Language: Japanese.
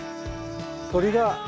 鳥が。